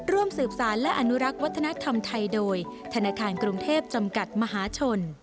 ร่วมสืบสารและอนุรักษ์วัฒนธรรมไทยโดยธนาคารกรุงเทพจำกัดมหาชน